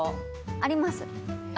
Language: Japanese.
あります。